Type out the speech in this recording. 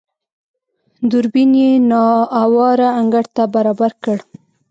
دوربين يې نااواره انګړ ته برابر کړ.